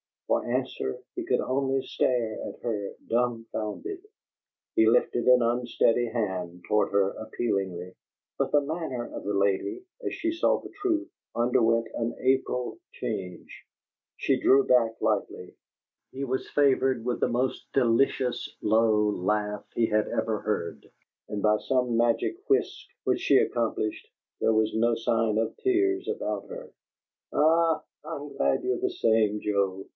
For answer he could only stare at her, dumfounded. He lifted an unsteady hand toward her appealingly. But the manner of the lady, as she saw the truth, underwent an April change. She drew back lightly; he was favored with the most delicious, low laugh he had ever heard, and, by some magic whisk which she accomplished, there was no sign of tears about her. "Ah! I'm glad you're the same, Joe!"